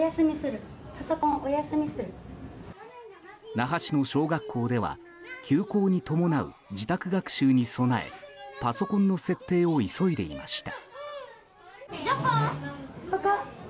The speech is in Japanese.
那覇市の小学校では休校に伴う自宅学習に備えパソコンの設定を急いでいました。